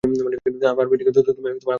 আমার বিল্ডিংয়ে তুমি আগুন লাগিয়ে দিতে পারো না!